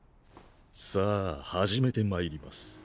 さァ始めてまいります。